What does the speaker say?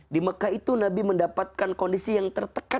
di mekah itu nabi mendapatkan kondisi yang tertekan